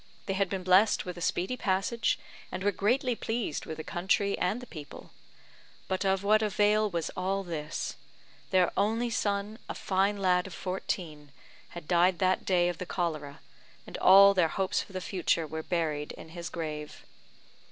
They had been blessed with a speedy passage, and were greatly pleased with the country and the people; but of what avail was all this? Their only son, a fine lad of fourteen, had died that day of the cholera, and all their hopes for the future were buried in his grave.